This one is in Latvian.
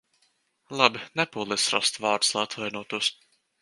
Labi, nepūlies rast vārdus, lai atvainotos.